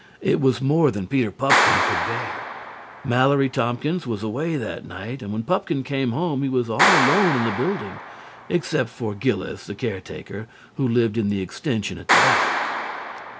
It was more than Peter Pupkin could bear. Mallory Tompkins was away that night, and when Pupkin came home he was all alone in the building, except for Gillis, the caretaker, who lived in the extension at the back.